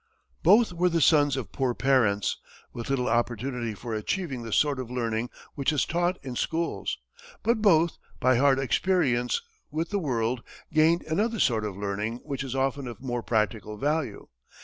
Both were the sons of poor parents, with little opportunity for achieving the sort of learning which is taught in schools; but both, by hard experience with the world, gained another sort of learning which is often of more practical value.